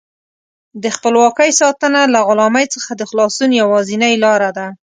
د خپلواکۍ ساتنه له غلامۍ څخه د خلاصون یوازینۍ لاره ده.